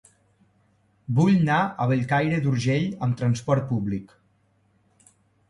Vull anar a Bellcaire d'Urgell amb trasport públic.